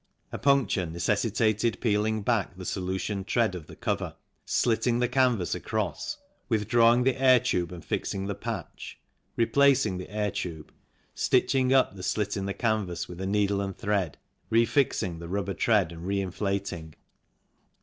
A puncture necessitated peeling back the solutioned tread of the cover, slitting the canvas across, withdrawing the air tube and fixing the patch, replacing the air tube, stitching up the slit in the canvas with needle and thread, re fixing the rubber tread and re inflating.